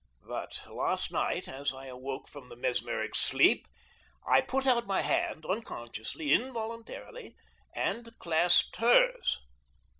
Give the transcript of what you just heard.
But last night, as I awoke from the mesmeric sleep, I put out my hand, unconsciously, involuntarily, and clasped hers.